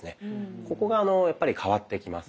ここがやっぱり変わってきます。